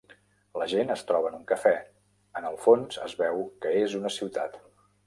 la gent es troba en un cafè, en el fons es veu que és a una ciutat